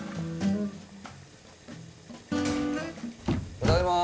ただいま。